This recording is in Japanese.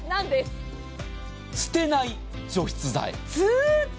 捨てない除湿剤。